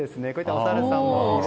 お猿さんも。